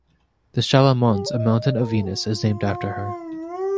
The Shala Mons, a mountain on Venus, is named after her.